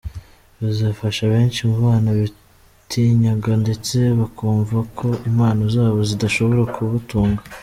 bizafasha benshi mu bana bitinyaga ndetse bakumva ko impano zabo zidashobora kubatunga.